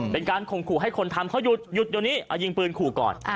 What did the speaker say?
เป็นการข่มขู่ให้คนทำเขาหยุดเดี๋ยวนี้เอายิงปืนขู่ก่อน